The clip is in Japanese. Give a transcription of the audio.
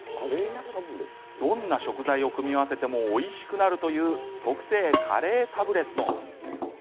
どんな食材を組み合わせてもおいしくなるという特製カレータブレット。